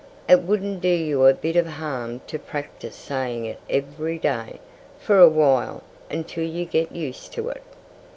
It wouldn't do you a bit of harm to practice saying it every day, for a while, until you get used to it."